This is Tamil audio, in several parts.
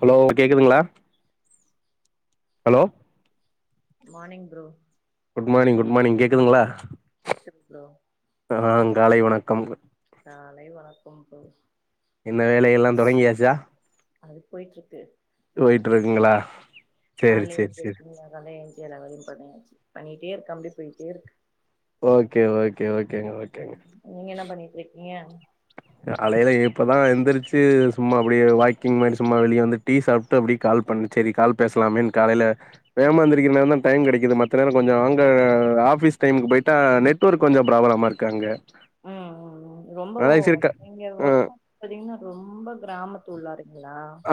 ஹலோ கேக்குதுங்ளா ஹலோ மானிங் ப்ரோ குட் மானிங் குட் மானிங் கேக்குதுங்ளா கேக்குது ப்ரோ காலை வணக்கம் காலை வணக்கம் ப்ரோ என்ன வேலயெல்லா தொடங்கியாச்சா அது போய்ட்டுருக்கு போய்ட்டுருக்குங்களா சேரி கால்ல சேர் சேரி எந்திரிப்பீங்க கால்ல எந்ச்சி எல்லா வேலையு பண்ணியாச்சி பண்ணிட்டேருக்க அப்டே பொய்ட்டே இருக்கு ஓகே ஓக் கே ஓகேங்க ஓகேங்க நீங்க என்ன பண்ணிட்ருக்கீங்க காலைல இப்பதா எந்திரிச்சி சும்மா அப்டியே வாக்கிங் மாரி சும்மா வெளியே வந்து டீ சாப்ட்டு அப்டியே கால் பண்ண செரி கால் பேசலாமேன் காலைல வேமா எந்திருக்கிற நேரந் தா டைம் கெடைக்குது மத்த நேரோ கொஞ்சோ அங்க ஆஃபீஸ் டைமுக்கு போயிட்டா நெட்ஒர்க் கொஞ்சு ப்ராப்ளமாருக்கு அங்க ம் ம் ம் ரொம்ப அதா சரி க நீங்க ஆ ஒர்க் [unintelligible] ன்னா ரொம்ப கிராமத்து உள்ளாருக்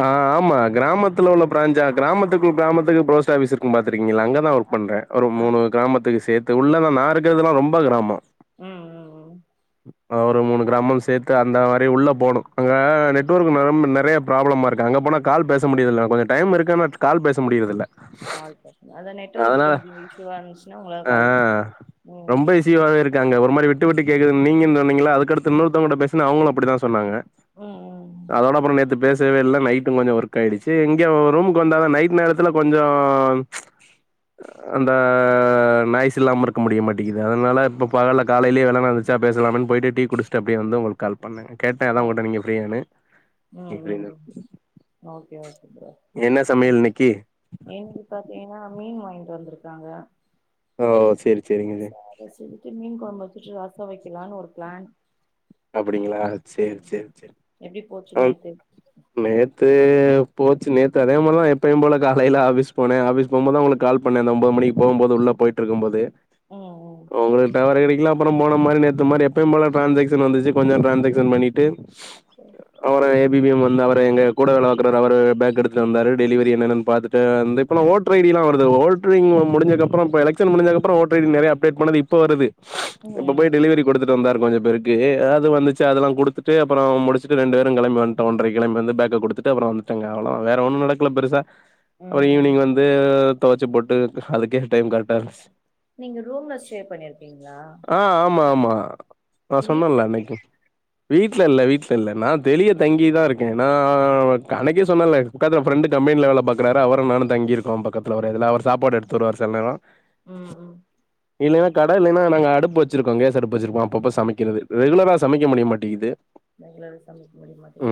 ஆ ஆமா கிராமத்துல உள்ள பிரஞ்சா கிராமத்துக்கு கிராமத்துக்கு போஸ்ட் ஆபீஸ் இருக்கு பாத் சரிங்களா அங்கதா ஒர்க் அ பண்ற ஒரு ஆ மூனு கிராமத்து சேத் அது உள்ள நா இருக்கறதுல்லா ரொம்ப கிராம ம் ம் ம் ஒரு மூணு கிராமோ சேத்து அந்த மாரி உள்ள போணு அங்க நெட்ஒர்க் ந ரொம்ப நெறைய ப்ராப்ளமாருக்கு அங்க போனா கால் பேச முடியதில்ல கொஞ்சோ டைம் இருக்கு ஆனா கால் பேச முடியிறதில்ல கால் பேசுன அத நெட்ஒர்க்கு கொஞ்சோ இஷ்ஷுவா இருந்துச்சின்னா உங்களால ஆ கால் பண்ண ரொம்ப முடியாது இஷ்யூவாவே இருக்கு அங்க. ஒரு மாரி விட்டு விட்டு கேக்குது நீங்கன் சொன்னீங்களா அதுக்கடுத்து இன்னொருத்தங்குட்ட பேசுன அவங்களு அப்படிதா சொன்னாங்க ம் அதோட அப்பறோ நேத்து பேஸ் இது எல்லா நைட்டு கொஞ்சோ ஒர்க்காயிடிங்சி இங்க ரூமுக்கு வந்தா தா நைட் நேரத்துல கொஞ்சோ அந்த நாய்ஸ் இல்லாமருக்க முடியமாட்டேங்குது அதனால இப்ப பகல்ல காலைலயே வேலன்ன எந்திரிச்ச பேசலாமன் போயிட்டு டீ குடிஸ்ட்டு அப்டியே வந்து உங்களுக் கால் பண்ணே கேட்டே ம் ம் ம் அதா ஓக் உங்கள்ட நீங்க ஃப்ரீயானு [unintelligible] ஓக்கே ஓக்கே ப்ரோ என்ன சமையல் இன்னைக்கி இங்க பாத்தீங்கன்னா மீன் வாங்கிட்டு வந்துருக்காங்க ஓ செரி செரி சீக்கி மீன் கொழம்பு வச் சுட்டு ரசோ வெக்கலான்னு ஒரு பிளான் அப்படிங்களா செரி செரி செரி எப்டி போச்சு ம் நேத்து நேத் து போச்சி நேத்து அதே மாரிதா எப்பயு போலதா காலையில ஆபிஸ் போன ஆபிஸ் போகும் போதுதா உங்களுக்கு கால் பண்ண அந்த ஒம்பது மணிக்கு போகும் போது உள்ளே போயிட்டுருக்கு போதே ம் உங்கள்ட்ட டவர் இருக்கிலாம் போன போன மாரி நேத்து மாரி எப்பயும்போல டிரான்சேக்ஸ் ஏர்டெல் வந்துருச்சு கொஞ்சோ டிரான்ஷெக்க்ஷன்‌ பண்ணிட்டு ம் அவரு எப்பியுமே வந்து அவரு எங்க கூட லா [unintelligible] அவரு பேக் எடுத்துட்டு வந்தாரு டெலிவரி என்னென்ன பாத்துட்டு வந்து இப்பல்லா ஓட்டரைய்டிலா வருது ஓட்டரைடி முடிஞ்சதுக்கப்றோ இப்ப எலெக்க்ஷன் முடிஞ்சதுக்கப்றோ ஓட்டரைடி நறைய அப்ளை பண்ணது இப்ப வருது ம் இப்ப போய் ம் டெலிவரி கொடுத்துட்டு வந்தார் கொஞ்சோ பேருக் அது வந்துச்சா அதெல்லா குடுத்துட்டு அப்புறோ முடிச்சிட்டு ரெண்டு பேரு கெளம்பிவன்டோ ஒன்ரை கெளம்பி வந்து பேக்க குடுத்துட்டு அப்புறோ வந்துட்டாங்க அவ்வளோதா வேற ஒன்னு நடக்கல பெருசா ம் அப்புறோ ம் ஈவினிங் வந்து தொவச்சி போட்டு அதுக்கே டைம் கரெக்டா இருந்துச் நீங்க ரூம்ல ஸ்டே பண்ணிருக்கீங்ளா அ நா சொன்னல்ல அன்னைக்கி வீட்ல இல்ல வீட்ல இல்ல நா தெளிய தங்கிதாருக்கே நா அன்னைக்கே சொன்னெல்ல உக்காந்து நம் ஃப்ரெண்டு கம்பென்ல வேல பாக்குறாரு அவரு நானு தங்கிருக்கோ பக்கத்ல ஒரே இதுல அவர் சாப்பாடு எடுத் வருவாரு செல் நேரொ உம் உம் இல்லெனா கட இல்லேனா நாங்க அடுப்பு வச்சுருக்கோ கேஸடுப்பு வச்சுருபோ அப்பப்ப சமை க்கிறது ரெகுலரா சமைக்க முடிய மாட்டிகிது எங்ளால சமைக்க முடியமாட்டிது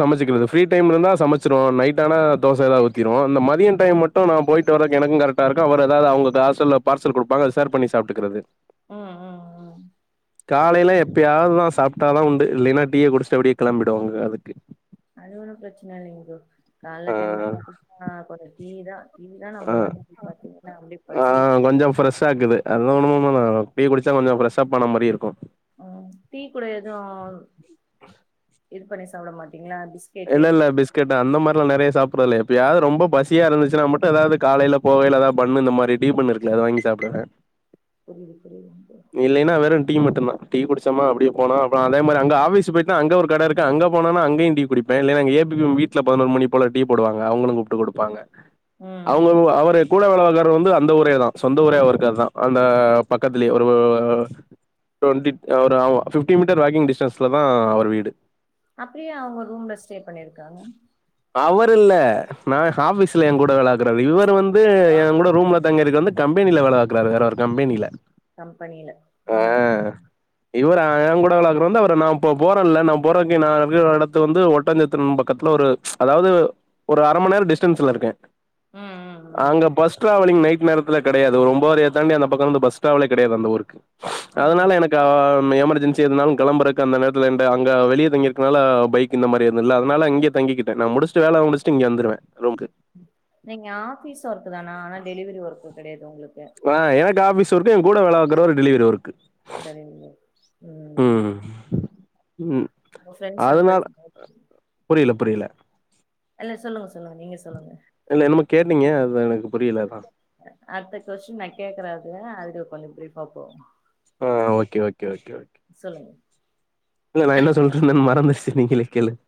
சமச்சுகுறது ஃப்ரீ டைம் இருந்தா சமச்சுருவோ நைட்டானா தோச எதா ஊத்திருவோ இந்த மதியொ டைம் மட்டு நா போய்ட்டு வரக்கு எனக்கூ கரெக்டாருக்கு அவரெதாது அவுங்க [unintelligible] சல பார்சல் குடுப்பாங்க அத ஷேர் பண்ணி சாப்ட்டுக்குறது ம் ம் ம் புரியுது காலைல புரியுது எப்பயாவ்து தா சாப் டா தா உண்டு இல்லைனா டீய குடிச்ட்டு அப்டே கெளம்பிடுவோங்க அதுக்கு அது ஒண்ணு ப்ரெச்ன இல்லிங் ப்ரோ கால்ல ஆ டைம்ல [unintelligible] டீதா இதுதா நம்ள ஆ வந்து அப்டி பாத்தீங்கனா அப்டி ஆ பசிய கொஞ்சோ ஃப்ரெஷ்ஷா [unintelligible] டீ குடுச்சா கொஞ்சோ ஃப்ரெஷ் அப் பண்ண மாரி இருக்கு உம் டீ கூட எதுவு இது பண்ணி ச சாப்புட மாட் இல்லேல்ல பிஸ்கெட் அந்த மார்லா நெறைய சாப் புறெலெ எப்பயாது ரொம்ப பசியா இருந்துச்சுனா மட்டு எதாது காலைல போகேல எதாது ஃபன்னு இந்த மாரி டீ ஃபன்னுருக்குல அத வாங்கி சாப்புடுவே புரியிது புரியிது இல்லைனா வெறுன் டீ மட்டுந்தா டீ குடுச்சொமா அப்டியே போனா அப்பறோ அதே மாரி அங்க ஆஃபீஸு போயிட்டா அங்க ஒரு கடருக்கு அங்க போனாலு அங்கயு டீ குடிப்பே இல்லேனா அங்க ஏ பி வீட்ல பத்னொரு மணி போல டீ போடுவாங்க அவுங்களு கூப்ட்டு குடுப்பாங்க ம் அவுங்க ம் அவரு கூட வேல பாக்குற வர் வந்து அந்த ஊரேதா சொந்த ஊரே அவருக்கு அதுதா அந்த பக்கத்திலே ஒர் [unintelligible] டுவெண்டி ஃபிப்டி மீட்டர் வாக்கிங் டிஸ்டன்ஸ்லதா அவரு வீடு அப்ற ஏ அவுங்க ரூம்ல ஸ்டே பண்ணிருக்காங்க அவருல்ல நா ஆஃபிஸ்ல எங்கூட வேலபாக்குறாரு இவரு வந் து ஆ ஏங்கூட ரூம்ல தங்கியிருக்குறந்து கம்பெனில வேலவாக்குறாரு வேறோரு கம்பெனில கம்பெனில உம் ம் இவர் அ ஏங்கூட வேல வாக்குரவந்து அவரு நா பொ போறன்ல நா போறக்கு நா [unintelligible] எடத்து வந்து ஒட்டஞ்சத்திரன் பக்கத்ல ஒரு அதாவது ஒரு அர மணி நேரோ டிஸ்டன்ஸ்லருக்கே ம் ம் ம் அங்க பஸ் ட்ராவலிங் நைட் ட்டு நேரத்துல கெடையாது ஒரு ஒம்போரைய தாண்டி அந்தப்பக்கொருந்து பஸ் ட்ராவலே கெடையாது அந்த ஊருக்கு அதனால ம் எனக்கா ம் எமர் ஜென்சி எதுனாலு கெளம்புறக்கு அந்த நேரத்துலென்ட அங்க வெளிய தங்கிருக்கனால பைக் இந்த மாரி எதுல்ல அதனால இங்கெயே தங்கிக்கிட்டே நா முடுச்ட்டு வேல முடுச்ட்டு இங்க வந்துருவே ரூம்க்கு நீங்க ஆபீஸ் ஒர்க் தானா ஆனா டெலிவரி ஒர்க் கெடையாது உங்களுக் வா எ எனக்கு ஆபிஸ் ஒர்க் என் கூட வேல பாக்குரவரு டெலவெரி ஒர்க். டெலிவரி ஒர்க் ம் ம் ம் சென்ஸ் அதனால சப்லேட். புரியல புரியல. இல்ல சொல்லுங்க சொல்லுங்க நீங்க சொல்லுங்க. இல்ல என்னமோ கேட்டீங்க அது. எனக்கு புரியல அதா அடுத்த கொஸ்டின் நா கேக்குறது அதுக்கு கொஞ்சோ ஃப்ரீப். அப்போ. ஆ okay okay okay okay okay. சொல்லுங்க இல்ல நா என்ன சொல்லிட்ருந்தேனு மறந்துச்சு நீங்களே கேளுங்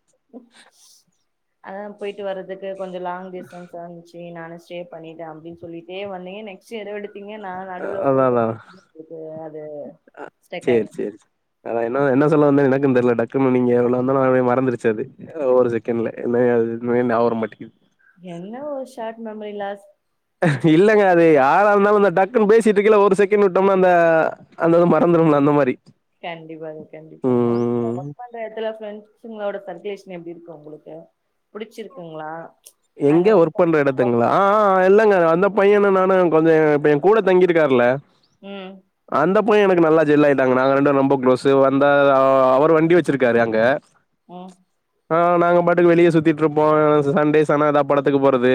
அதான் போயிட்டு வர்றதுக்கு கொஞ்சம் லாங் டிஸ்டன்ஸ் இருந்துச்சு நானச். ஸ்டே பண்ணிட்டே அப்டின்னு சொல்லிட்டே வந்தீங்க நெக்ஸ்ட்டு ஏதோ எடுத் திங்க நான் நடுவுல அதா குடுக்க அதா போ இது அது ஸ்டக் சேரி ஆய்டுச்சு. குன் தெர்ல டக். [unintelligible] நீங்க எவளாந்தாலும் நானே மறந்துருச்சு அது ஒரு செகண்ட்ல என்னைய இது உம்மையே நாவரமாட்டிங்குது. என்ன ஒர் ஷார்ட் மெமரி லாஸ் இல்லங்க அது யாறா இருந்தாலு அந்த டக் குனு பேசிட்டு இருக்கைல ஒரு செகண்ட் விட்டோம்ன, அந்த அந்த இது மறந்துரும்ல அந்த மாரி கண்டிப்பாங்க கண்டிப்பாங்க [inaudible] ம் ஒர்க் பண்ற எடத்துல பிரண்ட்ஸ். பசங்களோட சர்குலேஷன் எப்டி இருக்கு உங்களுக்கு புடிச்சிருக்குங்களா அங்க எங்க வந்து ஒர்க் பண்ற எடத்துங்களா ஆ ஆ. இல்லங்க அந்த பையனு நானு கொஞ்ச இப்ப ஏ கூட தங்கியிருக்காருல்ல உம் இப்பயு எனக்கு நல்லா ஜெல்லா ஆயிட்டாங்க நாங்க ரெண்டு பேரு ரொம்ப குளோஸு வந்தா அவர் வண்டி வச்சிருக்காரு அங்க. உம் ஆஹ் நாங்க பாட்டுக்கு வெளியே சுத் திட்டு இருப்போ சண்டேஸ் ஆனா ஏதா படத்துக்கு போறது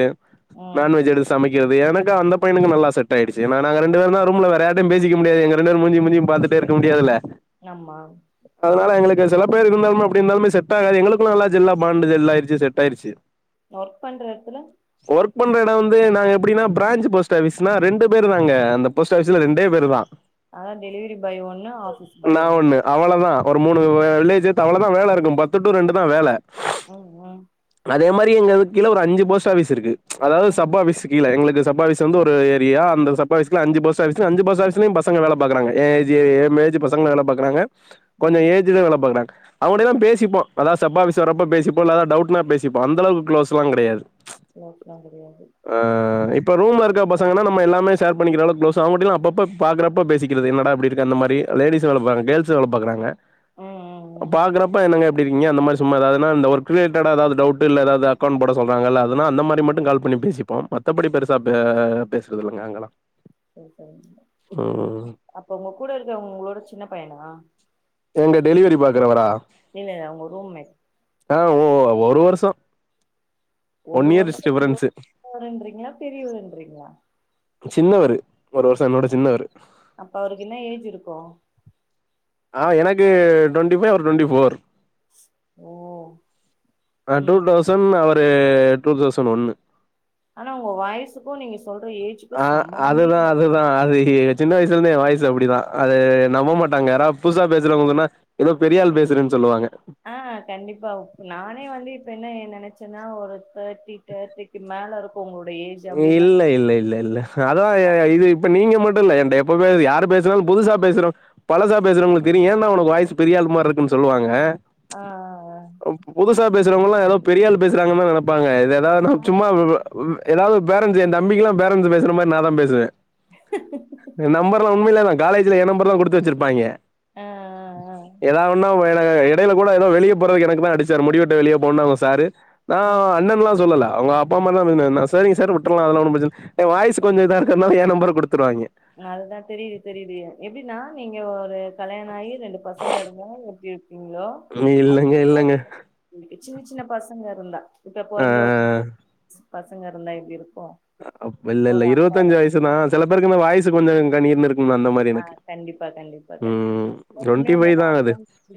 ம் நான் வெஜ் எடுத்து சமைக். கிறது எனக்கு அந்த பையனுக்கு நல்லா செட் ஆயிடுச்சு என்னனா நாங்க ரெண்டு பேருந்தா ரூம்ல வேற யார்டயு பேசிக்க முடியாது எங்க ரெண்டு பேரு மூஞ்சியு மூஞ்சியு பாத்துட்டே இருக்க முடியாதுல்ல. ஆமா. அதனால எங்களுக்கு சில பேர் இருந்தாலுமே அப்டி இருந்தாலுமே செட் ஆகாது எங்களுக்குள்ள நல்லா ஜெல்லா பாண்டு ஜெல்லாயிடுச். சு செட் ஆயிடுச்சு ஒர்க் பண்ற எடத்துல ஒர்க் பண்ற எடோ வந்து நாங்க எப்டினா பிரான்ஞ்சு போஸ்ட் ஆபிஸ் நா ரெண்டு பேரு தாங்க அந்த போஸ்ட் ஆபீஸ்ல ரெண்டே பேருதா அதா டெலிவிரி பாய் ஒன்னு ஆஃபீஸ் பாய் நான் ஒன்னுங்ளா ஒண்ணு அவ்வளவுதான் ஒரு மூணு வில்லேஜ் அவ்ளதா வேலருக்கு பத்து டூ ரெண்டு தா வேல ஓ ஓ அதே மாரி எங்களுக் கீழ ஒரு அஞ்சு போஸ்ட் ஆபீஸ் இருக்கு அதாவது ம் சப் ஆபிஸ் கீழ எங்ளுக்கு சப் ஆபிஸ் வந்து ஒரு ஏரியா அந்த சப் ஆபிஸ்குல ஒரு அஞ்சு போஸ்ட் ஆபிஸ் அஞ்சு போஸ்ட் ஆபிஸ்லியு பசங்க வேல பாக்றாங்க ஏ ஏஜ் ஏ மேஜு பசங்கலா வேல பாக்கறாங்க கொஞ்ச ம் ஏஜ்டு வேல பாக்கறாங்க அவடே தா பேசிப்போ அதா சப்பாபீஸ் வர்றப்ப பேசிப்போ இல்ல எதா டவுட் னா பேசிப்போ அந்தளவுக்கு க்ளோஸ்லாங்கிடையாது க்ளோஸ்லா கிடையாது இப்ப ரூம்ல இருக்க பசங்கனா நம்ம எல்லாமே ஷேர் பண்ணிக்றளவுக்கு க்ளோசு அவங்கிட்டிலா அப்பப்ப பாக்றப்ப பேசிக்கிறது என்னடா எப்டிருக்க அந்த மாரி லேடிஸ் வேல பா கேல்ஸு வேல பாக்றாங்க ம் ம் ம் பாக்றப்ப என்னங்க எப்டி இருக்கிங்க அந்த மாரி சும்மா அதாவுதுனா இந்த ஒர்க் ரிலேட் ட்டடா எதாவுது டவுட்டு இல்ல எதாவுது அக்கவுண்ட் போட சொல்றாங்ல அந்த மாரி மட்டும் கால் பண்ணி பேசிப் ப்போ மத்தபடி பெருசா பேசறதுலங்க அங்கலா செரி செரிங்க அப்ப உங்க கூட இருக்கவங்க உங்ளோட சின்ன பையனா எங்க டெலிவிரி பாக்றவரா இல்ல இல அவுங்க ரூம்மேட் ஆஹ் ஓ ஒரு வருஷோ ஒரு ஒன் இயர் வருஷோ உங்ளோட டிஃபரன்ஸு சின்னவருன்றிங்லா பெரியவருன்றிங்ளா சின்னவரு ஒரு வருஷோ என்னோட சின்னவரு அப்ப அவருக்கு என்ன ஏஜ் இருக்கூ ஆஹ் எனக்கு டொண்ட்டி ஃபைவ் டொண்ட்டி ஃபோர் ஓ ஆ டூ ம் டௌசன் ஒரு டூ தௌசண் ஒன்னு ஆனா உங்க வாய்சுக்கூ நீங்க சொல்ற ஏஜ்கூ ஆ அதுதா சம்பந்தமேலங்க அதுதா அது சின்ன வயசுல இருந்தே என் வாய்சு அப்டிதா அது நம்பமாட்டாங்க யாரா புதுசா பேசுறவங்கனா ஏதோ பெரியாள் பேசுறனு சொல்லுவாங்க ஆஹ் கண்டிப்பா இப் நானே வந்து இப்ப என்ன நெனச்ச ச்னா ஒரு தேர்ட்டி தேர்ட்டிக்கு மேலருக் [unintelligible] இல்ல இல்ல இல்ல இல்ல அதா இது இப்ப நீங்க மட்டு இல்ல இல்ல என்ட எப்பவுமே யார் பேசுனலு புதுசா பேசற பழசா பேசுரவங்களுக்கு தெரியு ஏன்டா உனக்கு பேரிய ஆள் மாரிருக்கு சொலுவாங்க ஆ ஆ புதுசா பேசுறவங்கல்லா ஏதோ பெரிய ஆளு பேசறாங்கன்னு தான் நெனப்பாங்க ஏதாவது ஆ சும்மா ஏதாவது பேரன்ஸ் ஏன் தப்பிக்கலா நா தான் பேரன்ஸ்சு பேசுர மாரி நான் தான் பேசுவே நம்பம்பர்லா உண்மைலதான் காலேஜ்ல என் நம்பர் தான் குடுத்து வச்சிருப்பாங்க ஆ ஆ ஏதாவது ஒன்னுனா வேனா இடைல கூட ஏதோ வெளியே போறதுக்கு எனக்கு தான் அடிச்சார் முடிவெட்ட வெளிய போனாங்க சார் நா ஆ. ம் அண்ணன்லா சொல்லல அவுங்க அப்பா அம்மாலா வேணும் [unintelligible] என்ன செரிங்க சார் விட்டுலா அதலா ஒன்னும் பிரச்சன என் வாய்ஸ் கொஞ்சோ இதா இருக்குறதுனால என் நம்பர் கொடுத்து அதா தெரியிது தெரியிது எப்படின்னா நீங்க ஒரு கல்யாண ஆகி ரெண்டு பசங்க இருந்தா எப்புடி இல்லங்க இல்லங்க இருக்கு. சின்ன சின்ன பசங்க இருந்தா இப்ப ஆ பொறந்து ஒரு பசங்க இருந்தா எப்படியி அப் இல்ல இல்ல இருவத்தஞ்சு வயசுதா சில பேருக்கு இந்த வாய்ஸ் வாய்ஸ் கொஞ்சோ கணீர்னு இருக் ஆஹ் கண்டிப்பா கண்டிப்பா ம் கண்டிப்பா நானுமே உங்கள அப்புடி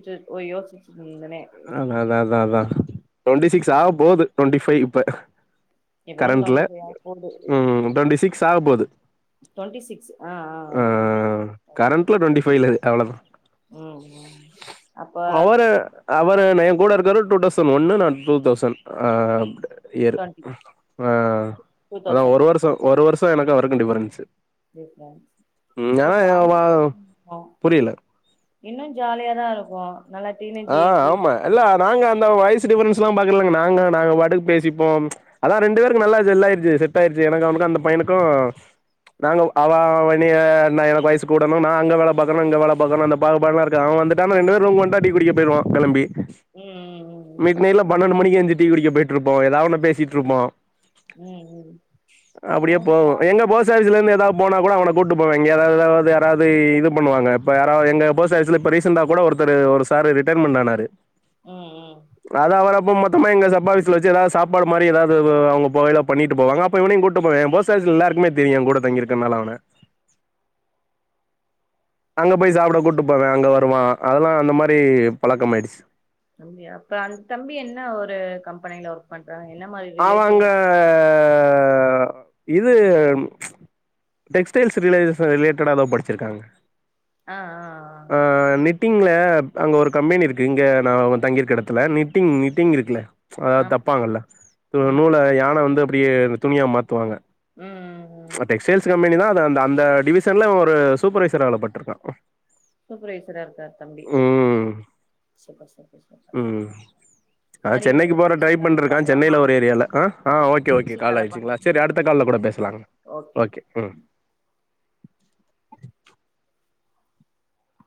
தா புடிச் யோசிச்சிட்டு இருந்திந் அதா அதா அதா அதா டுவெண்டி சிக்ஸ் ஆக போகுது டுவெண்ட்டி ஃபைவ் இப்ப இப்பதா கரண்ட்ல டுவெண்டி ஃபைவ் ஆ உம் டுவெண்டிசிக் ஸ் ஆகபோது டுவண்டிசிக்ஸ் ஆ ஆ ஓகே அவ்ள தா உம் உம் அப்போ அவரு அவரு எ கூட இருக் கவரு டூடௌசண் ஒன்னு நா டூதௌசண் ஆப்டி இயர் டுவெண்ட்டி ஆ டூ அதா தௌசண்ட் ஒரு வருஷோ ஒரு வருஷ் இப்ப எனக்கு அவருக்கு டிபரன்ஸு டிஃபரன்ஸ் அப்ப ஜாலியா வ தா இருக்கீங்க புரியல. இன்னு ஜாலியா தா இருக்கு நல்லா டீனேஜ் ஆஹ் ஏஜ் ஆமா ம் இல்ல நாங்க இங்க வாய்ஸ் டிப்ரன்ஸ்லா பாக்கறதில்ல நாங்க நாங்க பாட்டுக் பேசிப்போ அதா ரெண்டு பேர்க்கு நல்லா ஜெல்லாய்ட்ச்சு செட்டாய்டுசு எனக்கு அவனுக்கு அந்த பையனுக்கு நாங்க அவ என்னய நா எனக்கு வயசு கூட்டு நா அங்க வேல பாக்குறணு இங்க வேல பாக்குறணு இந்த பாகுபாட்லாருக்காது அவ வந்துட்டானா ரெண்டு பேரு ரூம்க் வந்ட்டா டி குடிக்க போய்ருவோ கெளம்பி ம் ம் மிட் நைட்ல பன்னெண்டு மணிக்கு எந்து டீ குடிக்க போயிட்ருப்போ எதாவொன்ன பேசிட்ருப்போ ம் ம் ம் அப்படியே அதா போவோ ஜா எங்க போஸ்டாஃபிலருந்து எதா போனா கூட அவன கூட்டு போவே எங்க யாராவது யாராவது இது பண்ணுவாங்க இப்ப யாரா எங்க போஸ்டாபிஸ்ல ரீசாண்டா கூட ஒருத்தரு சார் ரிட்டர்மெண்ட் ஆனரு ம் ம் அத அவர அப்ப மட் டுமே எங்க சப்பாபீசல வச்சு எதாது சாப்பாடு மாரி எதாவ்து அவங்க போகய்ல பண்ணிட்டு போவாங்க அப்போ இவனயு கூட்டு போவ எ போஸ்ட் ஆப்பிஸ்ல எல்லாருக்குமே தெரியு எங்கூட தங்கியிருக்கனால அவன அங்க போய் சாப்பிட கூட்டு போவே அங்க வருவா அதெல்லா அந்த மாரி பழக்கம் ஆயிடுச்சு தம்பியா அப்ப அந்த தம்பி என்ன ஒரு கம்பெனியில ஒர்க் பண் அவங்க இது டெக்ஸ்டைல்ஸ் ரிலே ரிலேட்டடா தா படிச்சிருக்காங்க ஆஹ் ஆஹ்ஆஹ் நிட்டிங்ல அங்க ஒரு கம்பெனி இருக்கு இங்க நா வந் தங்கியிருக்க எடத்துல நிட்டிங் நிட்டிங் இருக்குல ஆ அதாது ஆமா தப்பாங்கல்ல ம் நூல யா [unintelligible] வந்து அப்டியே துணியா மாத்துவாங்க உம் உம் உம் அந்த அந்த டிவிசன்ல இவே ஒரு சூப்பர்வைசரா அ வேலபாத்ட்டு இருக்கா சூப்பர் வைசரா இருக்கார் தம்பி ம் சூப்பர் சூப் ம் ஆஹ் ப்ரோ சென்னைக்கு போற நெக்ஸ்ட் ட்ரை வீக் பண்ணிடிருக்கா பாக்கலாமா சென்னைல ஒரு ஏரியால ஆஹ் okay okay next week call கால்ல பாக் ஆயுச்சுங்களா செரி அடுத்த கால்ல கூட பேசலாங்க ஓகே ம்